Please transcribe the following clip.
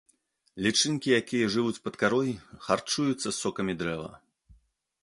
Лічынкі, якія жывуць пад карой, харчуюцца сокамі дрэва.